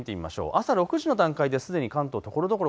朝６時の段階ですでに関東ところどころ